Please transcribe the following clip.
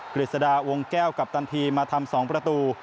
กฤษดาวงแก้วกัปตันทีมาทำ๒ประตู